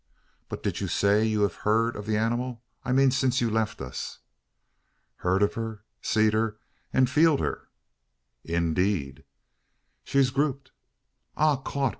But did you say you have heard of the animal I mean since you left us?" "Heern o' her, seed her, an feeled her." "Indeed!" "She air grupped." "Ah, caught!